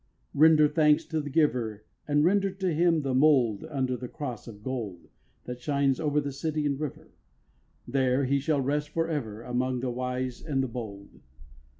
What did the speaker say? Render thanks to the Giver, And render him to the mould. Under the cross of gold That shines over city and river, There he shall rest for ever Among the wise and the bold.